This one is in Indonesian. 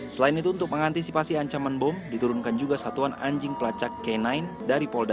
selain itu untuk mengantisipasi ancaman bom diturunkan juga satuan anjing pelacak k sembilan dari polda